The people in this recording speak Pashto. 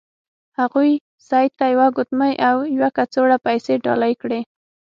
هغوی سید ته یوه ګوتمۍ او یوه کڅوړه پیسې ډالۍ کړې.